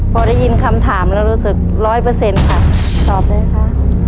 พอได้ยินคำถามเรารู้สึกร้อยเปอร์เซ็นต์ค่ะตอบเลยค่ะ